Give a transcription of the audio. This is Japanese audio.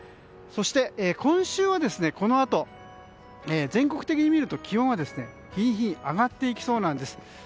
そして、今週はこのあと全国的に見ると気温は日に日に上がっていきそうなんです。